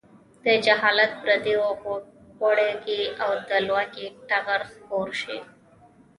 د جهالت پردې وغوړېږي او د لوږې ټغر خپور شي.